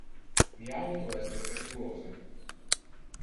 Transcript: Mi auto es defectuose.